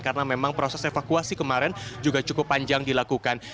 karena memang proses evakuasi kemarin juga cukup panjang dilakukan